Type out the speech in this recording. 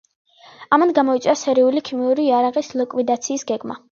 ამან გამოიწვია სირიული ქიმიური იარაღის ლიკვიდაციის გეგმა.